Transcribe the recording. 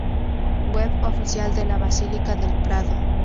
Web oficial de la Basílica del prado